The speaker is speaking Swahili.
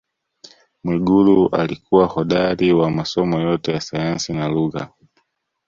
Mwigulu alikuwa hodari wa masomo yote ya sayansi na lugha